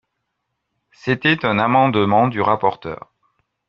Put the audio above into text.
C’était un amendement du rapporteur.